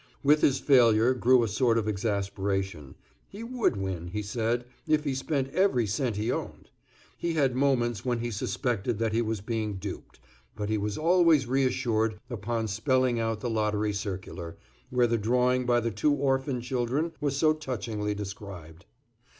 With his failure grew a sort of exasperation—he would win, he said, if he spent every cent he owned. He had moments when he suspected that he was being duped, but he was always reassured upon spelling out the lottery circular, where the drawing by the two orphan children was so touchingly described.